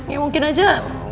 ya mungkin aja